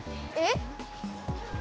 えっ？